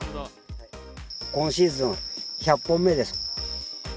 今シーズン、１００本目です。